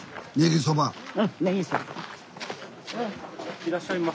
いらっしゃいませ。